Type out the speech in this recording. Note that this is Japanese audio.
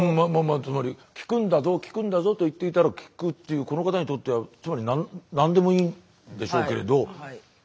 つまり「効くんだぞ効くんだぞ」と言っていたら効くっていうこの方にとってはつまり何でもいいんでしょうけれど。